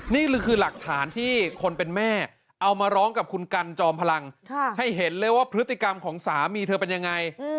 นี่คือหลักฐานที่คนเป็นแม่เอามาร้องกับคุณกันจอมพลังให้เห็นเลยว่าพฤติกรรมของสามีเธอเป็นยังไง